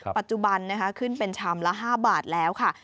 ปัจจุบันขึ้นเป็นชามละ๕บาทแล้วค่ะ